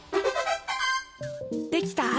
できた？